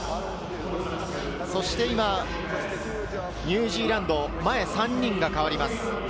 ニュージーランド、前３人が代わります。